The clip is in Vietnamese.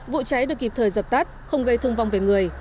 vụ cháy được kịp thời dập tắt không gây thương vong về người